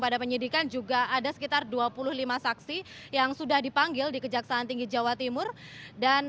pada penyidikan juga ada sekitar dua puluh lima saksi yang sudah dipanggil di kejaksaan tinggi jawa timur dan